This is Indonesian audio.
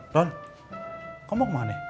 ron kau mau kemana